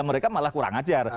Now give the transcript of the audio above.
mereka malah kurang ajar